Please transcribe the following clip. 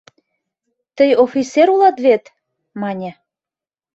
— Тый офисер улат вет? — мане.